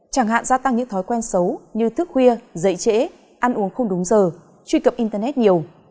chẳng hạn gia tăng những thói quen xấu như thức khuya dạy trễ ăn uống không đúng giờ truy cập internet nhiều